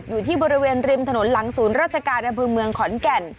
อยู่ที่บริเวณริมถนนหลังสูรราชการเรืองขอลกันพบกรณ์